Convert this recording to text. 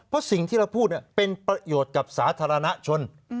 เพราะสิ่งที่เราพูดเป็นประโยชน์กับสาธารณชน